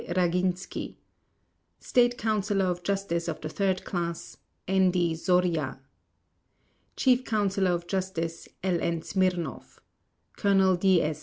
Raginsky State Counsellor of Justice of the 3rd Class, N. D. Zorya Chief Counsellor of Justice, L. N. Smirnov Colonel D. S.